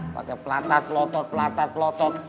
pakai pelatat pelotot pelatat pelotot